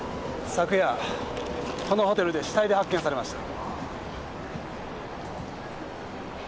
昨夜このホテルで死体で発見されました。